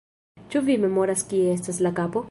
Ĉu vi memoras kie estas la kapo?